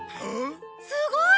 すごい！